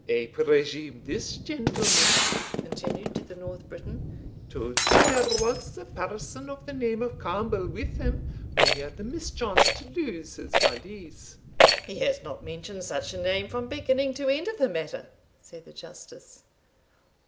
"I presume, this gentleman," continued the North Briton, "told you there was a person of the name of Campbell with him, when he had the mischance to lose his valise?" "He has not mentioned such a name, from beginning to end of the matter," said the Justice.